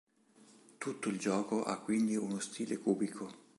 Tutto il gioco ha quindi uno stile cubico.